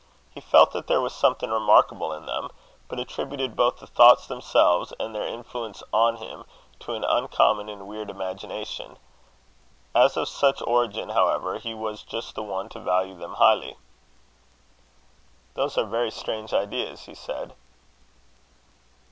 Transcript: He felt that there was something remarkable in them, but attributed both the thoughts themselves and their influence on him, to an uncommon and weird imagination. As of such origin, however, he was just the one to value them highly. "Those are very strange ideas," he said.